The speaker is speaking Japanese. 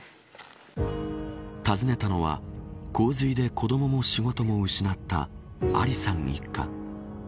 訪ねたのは洪水で子どもも仕事も失ったアリさん一家。